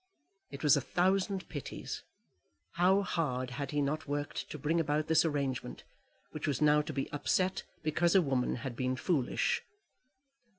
It was a thousand pities! How hard had he not worked to bring about this arrangement, which was now to be upset because a woman had been foolish!